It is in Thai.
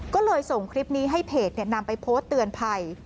ก็เลยส่งคลิปนี้ให้เพจนำไปโพสต์เตือนภัย